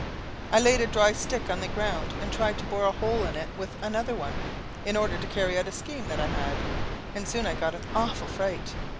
I laid a dry stick on the ground and tried to bore a hole in it with another one, in order to carry out a scheme that I had, and soon I got an awful fright.